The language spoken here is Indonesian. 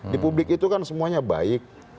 di publik itu kan semuanya baik